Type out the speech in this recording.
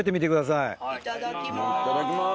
いただきます。